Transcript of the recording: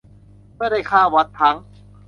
เมื่อได้ค่าวัดทั้ง